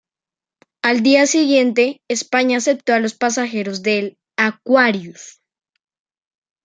Al día siguiente, España aceptó a los pasajeros del "Aquarius".